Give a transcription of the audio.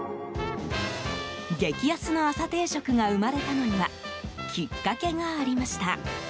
激安の朝定食が生まれたのにはきっかけがありました。